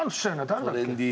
誰だっけ？